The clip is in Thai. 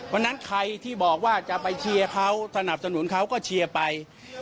วันนั้นใครที่บอกว่าจะไปเชียร์เขาสนับสนุนเขาก็เชียร์ไป